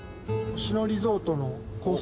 星野リゾートのコース